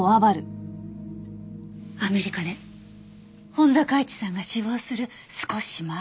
アメリカで本多嘉壱さんが死亡する少し前。